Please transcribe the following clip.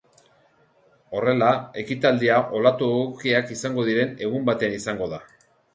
Horrela, ekitaldia olatu egokiak izango diren egun batean izango da.